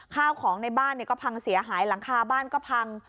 ข้าวของในบ้านก็พังเสียหายหลังคาบ้านก็พัง